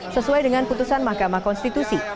sesuai dengan putusan mahkamah konstitusi